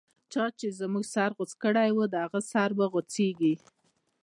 چا چی زموږه سر غوڅ کړی، د هغه سر به غو څیږی